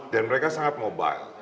dan mereka sangat mobile